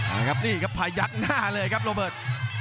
มาครับนี่ครับพายักหน้าเลยครับโรเบิร์ต